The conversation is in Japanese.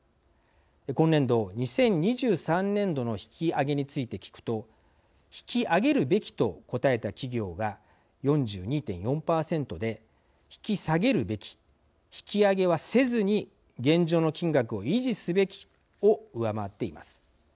今年度、２０２３年度の引き上げについて聞くと引き上げるべきと答えた企業が４２．４％で引き下げるべき引き上げはせずに現状の金額を維持すべきを上回っています。